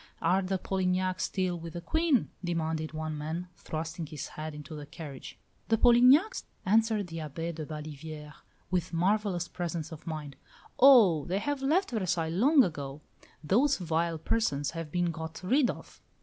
"Are the Polignacs still with the Queen?" demanded one man, thrusting his head into the carriage. "The Polignacs?" answered the Abbé de Baliviere, with marvellous presence of mind. "Oh! they have left Versailles long ago. Those vile persons have been got rid of."